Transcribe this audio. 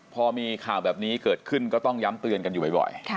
พอมีข่าวแบบนี้เกิดขึ้นก็ต้องย้ำเตือนกันอยู่บ่อย